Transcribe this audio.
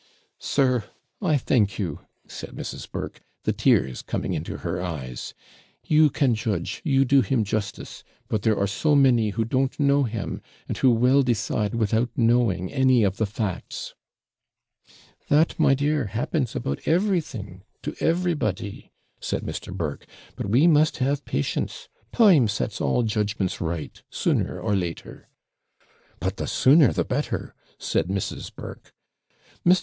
'Sir, I thank you,' said Mrs. Burke, the tears coming into her eyes; 'you can judge you do him justice; but there are so many who don't know him, and who will decide without knowing any of the facts.' 'That, my dear, happens about everything to everybody,' said Mr. Burke; 'but we must have patience; time sets all judgments right, sooner or later.' 'But the sooner the better,' said Mrs. Burke. 'Mr.